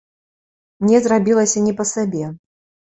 Мне зрабілася не па сабе.